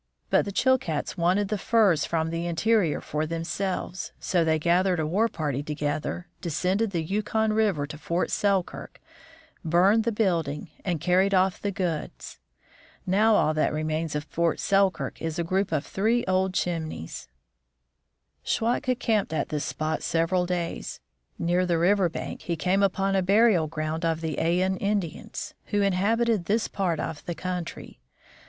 But LIEUTENANT SCHWATKA IN ALASKA 99 the Chilkats wanted the furs from the interior for them selves ; so they gathered a war party together, descended the Yukon river to Fort Selkirk, burned the building, and carried off the goods. Now all that remains of Fort Selkirk is a group of three old chimneys. ijfe^^ ..^^_2 Tanana Station, River Yukon, in Winter. Schwatka camped at this spot several days. Near the river bank he came upon a burial ground of the Ayan Indians, who inhabit this part of the country.